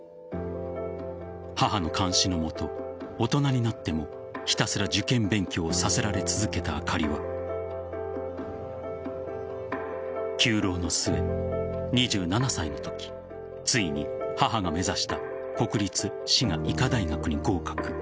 母の監視の下、大人になってもひたすら受験勉強をさせられ続けたあかりは９浪の末、２７歳のときついに母が目指した国立滋賀医科大学に合格。